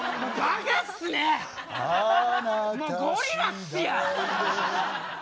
もうゴリラっすよ！